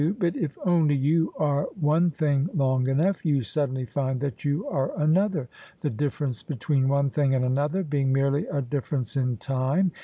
But if only you are one thing long enough, you suddenly find that you are another, the difference between one thing and another being merely a difference in time.